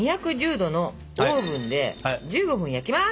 ℃のオーブンで１５分焼きます！